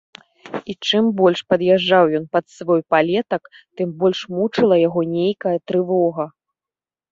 І чым больш пад'язджаў ён пад свой палетак, тым больш мучыла яго нейкая трывога.